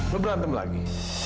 lo berantem lagi